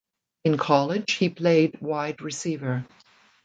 In college he played wide receiver.